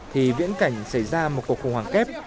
thì viễn cảnh xảy ra một cuộc khủng hoảng kép